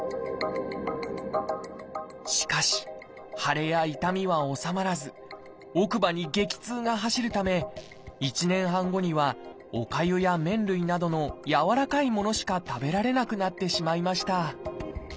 しかし腫れや痛みは治まらず奥歯に激痛が走るため１年半後にはおかゆや麺類などのやわらかいものしか食べられなくなってしまいました